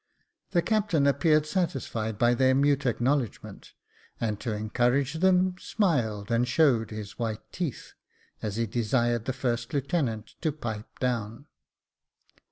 The captain appeared satisfied by their mute acknowledgments, and to encourage them, smiled, and showed his white teeth, as he desired the first lieutenant to pipe down.